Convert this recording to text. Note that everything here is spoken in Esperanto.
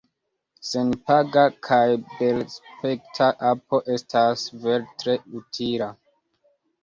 Senpaga kaj belaspekta apo estas vere tre utila.